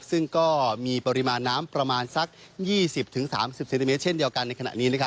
ซึ่งก็มีปริมาณน้ำประมาณสัก๒๐๓๐เซนติเมตรเช่นเดียวกันในขณะนี้